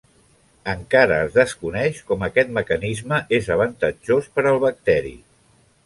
Encara es desconeix com aquest mecanisme és avantatjós per al bacteri.